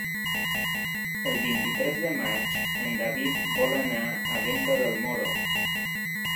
El vint-i-tres de maig en David vol anar a Venta del Moro.